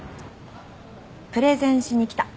プレゼンしに来た。